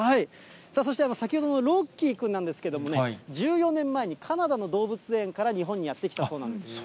そして先ほどのロッキー君なんですけれどもね、１４年前にカナダの動物園から日本にやって来たそうなんです。